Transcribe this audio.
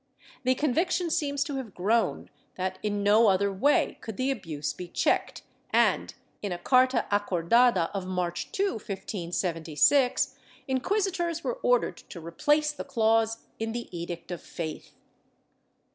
^ The conviction seems to have grown that in no other way could the abuse be checked and, in a carta acordada of March 2, 1576, inquisitors were ordered to replace the clause in the Edict of Faith.